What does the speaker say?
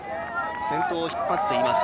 先頭を引っ張っています